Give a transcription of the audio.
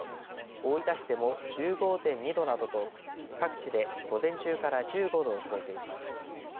大分市でも１５．２度などと各地で午前中から１５度を超えています。